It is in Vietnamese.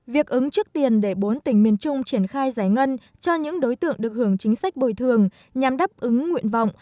việc ứng trước tiền để bốn tỉnh miền trung triển khai giải ngân cho những đối tượng được hưởng chính sách bồi thường nhằm đáp ứng nguyện vọng